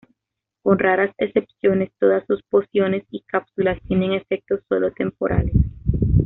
Con raras excepciones, todas sus pociones y cápsulas tienen efectos sólo temporales.